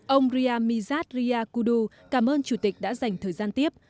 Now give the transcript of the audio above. ông riyamizat riyakudu cảm ơn chủ tịch đã dành thời gian tiếp